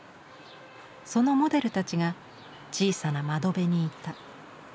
そのモデルたちが小さな窓辺にいた。